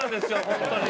本当に。